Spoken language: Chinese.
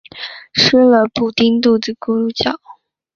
吃了布丁肚子咕噜叫